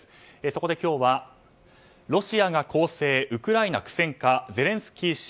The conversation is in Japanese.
そこで今日はロシアが攻勢ウクライナ苦戦かゼレンスキー氏